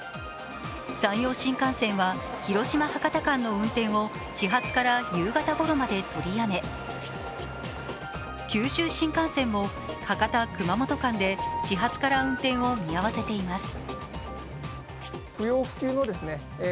山陽新幹線は広島ー博多間の運転を始発から夕方ごろまで取りやめ九州新幹線も博多−熊本間で始発から運転を見合わせています。